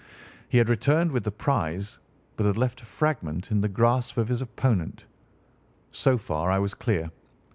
He had returned with the prize, but had left a fragment in the grasp of his opponent. So far I was clear.